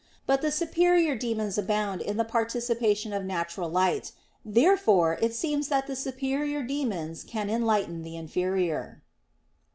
But the superior demons abound in the participation of natural light. Therefore it seems that the superior demons can enlighten the inferior.